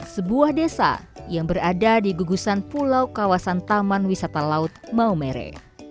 sebuah desa yang berada di gugusan pulau kawasan taman wisata laut maumere